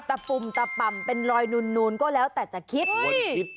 ปุ่มตะป่ำเป็นรอยนูนก็แล้วแต่จะคิด